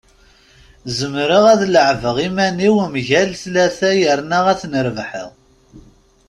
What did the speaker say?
Zemreɣ ad leɛbeɣ iman-iw mgal tlata yerna ad ten-ɣelbeɣ.